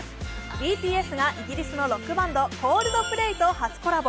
ＢＴＳがイギリスのロックバンドＣｏｌｄｐｌａｙと初コラボ。